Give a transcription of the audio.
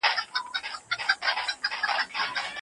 سرمایوي اجناس په ګودامونو کي نه ساتل کیږي.